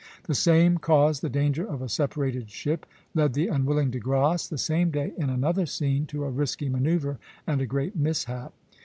The same cause the danger of a separated ship led the unwilling De Grasse, the same day, in another scene, to a risky manoeuvre and a great mishap.